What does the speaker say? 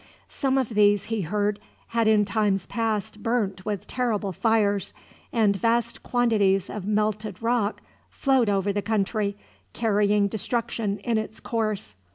Some of these, he heard, had in times past burnt with terrible fires, and vast quantities of melted rock flowed over the country, carrying destruction in its course.